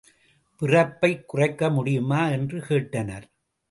பிறப்பைக் குறைக்க முடியுமா என்று கேட்டனர்.